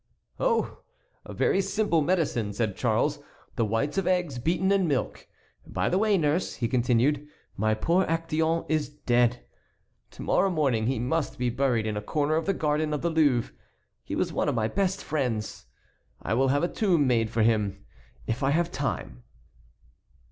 "Oh! a very simple medicine," said Charles, "the whites of eggs beaten in milk. By the way, nurse," he continued, "my poor Actéon is dead. To morrow morning he must be buried in a corner of the garden of the Louvre. He was one of my best friends. I will have a tomb made for him—if I have time."